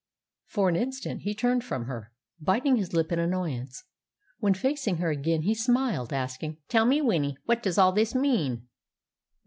For an instant he turned from her, biting his lip in annoyance. When facing her again, he smiled, asking, "Tell me, Winnie, what does all this mean?"